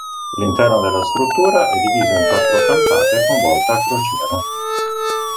L'interno della struttura è diviso in quattro campate con volta a crociera.